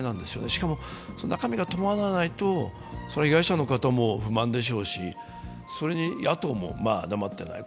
しかも中身が伴わないと被害者の方も不満でしょうし野党も黙ってない。